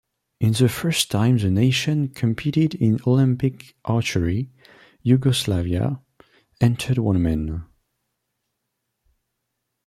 In the first time the nation competed in Olympic archery, Yugoslavia entered one man.